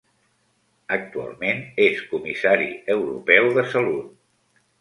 Actualment és comissari europeu de salut.